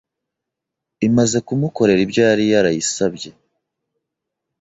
imaze kumukorera ibyo yari yarayisabye